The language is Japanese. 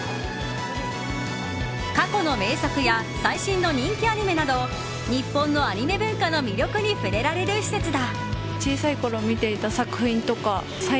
過去の名作や最新の人気アニメなど日本のアニメ文化の魅力に触れられる施設だ。